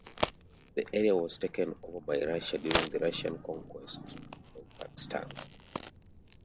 The area was taken over by Russia during the Russian conquest of Turkestan.